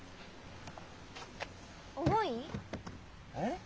重い？えっ？